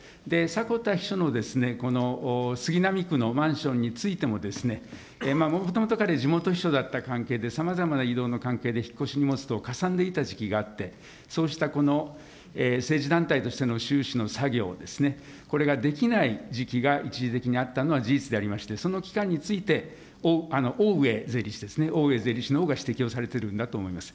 迫田秘書のこの杉並区のマンションについてももともと彼、地元秘書だった関係で、さまざまな移動の関係で引っ越し荷物等、かさんでいた時期があって、そうした政治団体としてのの作業をですね、これができない時期が一時的にあったのは事実でありまして、その期間について、おうえ税理士ですね、おうえ税理士のほうが指摘をされているんだと思います。